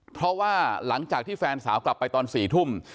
เพราะว่าหลังจากที่แฟนสาวกลับไปตอน๔ทุ่ม